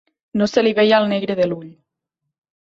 No se li veia el negre de l'ull.